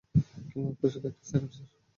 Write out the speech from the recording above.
ক্লিনিকটা শুধু একটা set up, sir.